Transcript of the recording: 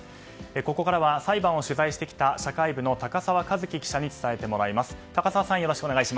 ここからは裁判を取材してきた社会部の高沢一輝記者に伝えてもらいます。